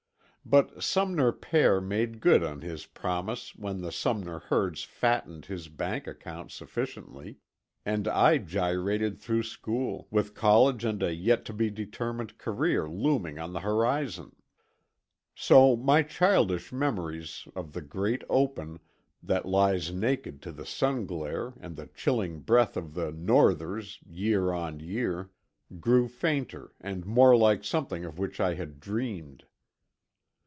But Sumner pere made good on his promise when the Sumner herds fattened his bank account sufficiently; and I gyrated through school, with college and a yet to be determined career looming on the horizon. So my childish memories of the great open, that lies naked to the sun glare and the chilling breath of the northers year on year, grew fainter and more like something of which I had dreamed.